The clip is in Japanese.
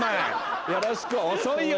よろしく遅いよ